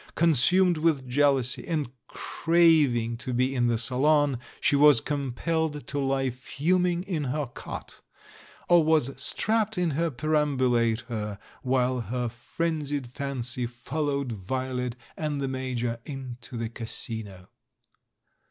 Consumed with jealousy, and craving to be in the salon, she was compelled to lie fuming in her cot — or was strapped in her perambulator while her frenzied THE THIRD M 341 fancy followed Violet and the Major into the Casino.